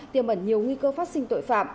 tiêm ẩn nhiều nguy cơ phát sinh tội phạm